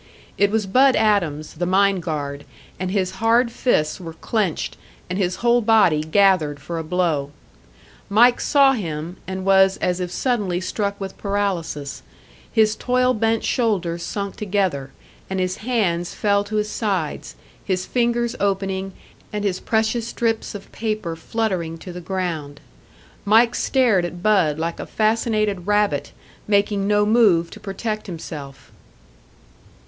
It was Bud Adams, the mine guard, and his hard fists were clenched, and his whole body gathered for a blow. Mike saw him, and was as if suddenly struck with paralysis; his toil bent shoulders sunk together, and his hands fell to his sides his fingers opening, and his precious strips of paper fluttering to the ground. Mike stared at Bud like a fascinated rabbit, making no move to protect himself.